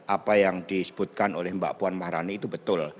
apa yang disebutkan oleh mbak puan maharani itu betul